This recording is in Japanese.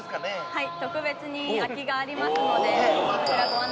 はい。